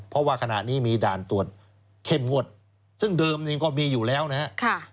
เพราะว่าขณะนี้มีด่านตรวจเข้มงวดซึ่งเดิมเองก็มีอยู่แล้วนะครับ